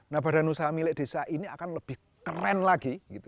nah badan usaha milik desa ini akan lebih keren lagi